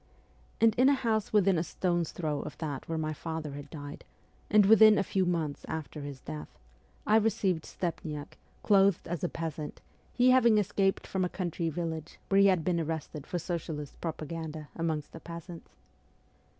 And in a house within a stone's throw of that where my father had died, and within a few months after his death, I received Stepniak, clothed as a peasant, he having escaped from a country village where he had been arrested for socialist propaganda amongst the peasants.